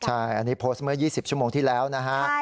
ใช่อันนี้โพสต์เมื่อ๒๐ชั่วโมงที่แล้วนะฮะ